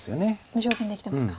無条件で生きてますか。